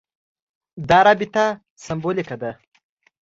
دا رابطه سېمبولیکه ده.